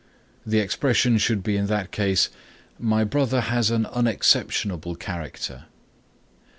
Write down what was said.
The expression should be in that case "My brother has an unexceptionable character."